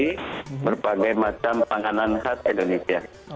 berbagi berbagai macam makanan khas indonesia